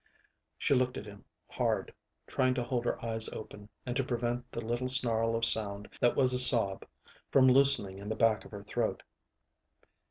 She looked at him hard, trying to hold her eyes open and to prevent the little snarl of sound that was a sob from loosening in the back of her throat.